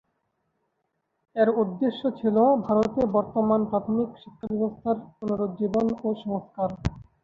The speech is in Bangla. এর উদ্দেশ্য ছিল ভারতে বর্তমান প্রাথমিক শিক্ষাব্যবস্থার পুনরুজ্জীবন ও সংস্কার।